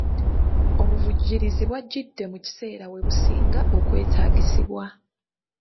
Obuvujjirizi bwajjidde mu kiseera we businga okwetaagisibwa.